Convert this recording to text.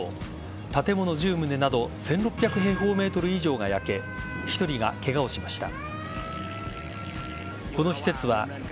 建物１０棟など１６００平方ｍ以上が焼け１人がケガをしました。